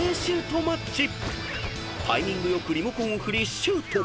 ［タイミング良くリモコンを振りシュート］